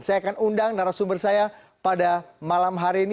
saya akan undang narasumber saya pada malam hari ini